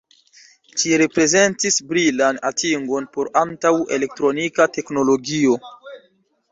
Ĝi reprezentis brilan atingon por antaŭ-elektronika teknologio.